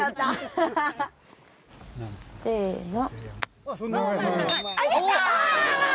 せの。